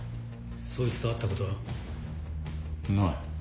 そいつと会ったことは？ない。